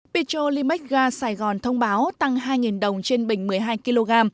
pitcho limex ga sài gòn thông báo tăng hai đồng trên bình một mươi hai kg